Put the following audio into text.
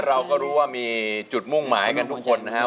เราก็รู้ว่ามีจุดมุ่งหมายกันทุกคนนะครับ